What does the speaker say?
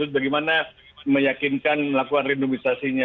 bagaimana meyakinkan melakukan randomisasinya